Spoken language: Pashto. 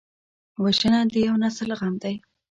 وژنه د یو نسل غم دی